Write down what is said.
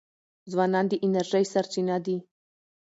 ځوانان د انرژی سرچینه دي.